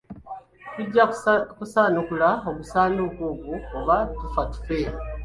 Tujja kusaanukula ogusanduuko ogwo oba tufa tufe.